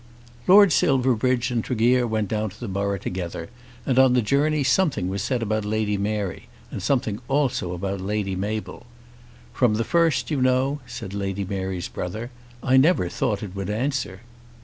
Lord Silverbridge and Tregear went down to the borough together, and on the journey something was said about Lady Mary, and something also about Lady Mabel. "From the first, you know," said Lady Mary's brother, "I never thought it would answer."